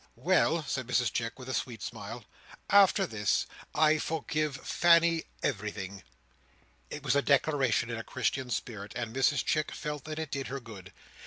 "Well!" said Mrs Chick, with a sweet smile, "after this, I forgive Fanny everything!" It was a declaration in a Christian spirit, and Mrs Chick felt that it did her good.